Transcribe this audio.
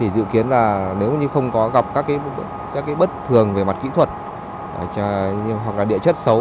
dự kiến là nếu như không có gặp các bất thường về mặt kỹ thuật hoặc là địa chất xấu